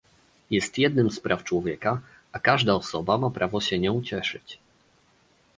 Jest jednym z praw człowieka, a każda osoba ma prawo się nią cieszyć